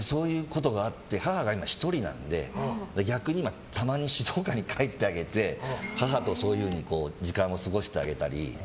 そういうことがあって母が今、１人なので逆に今たまに静岡に帰ってあげて母とそういうふうに時間を過ごしてあげたり。